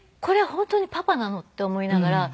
本当にパパなの？って思いながら。